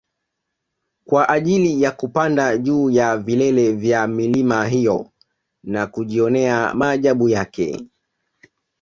kwa ajili ya kupada juu ya vilele vya milima hiyo na kujionea maajabu yake